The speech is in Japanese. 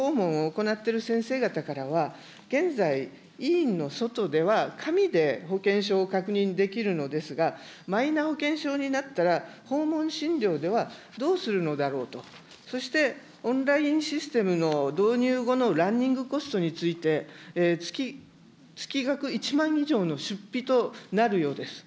また診療訪問を行っている先生方からは、現在、医院の外では紙で保険証を確認できるのですが、マイナ保険証になったら、訪問診療ではどうするのだろうと、そしてオンラインシステムの導入後のランニングコストについて、月額１万以上の出費となるようです。